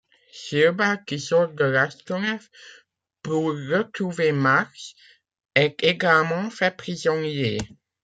Silbad qui sort de l'astronef pour retrouver Max est également fait prisonnier.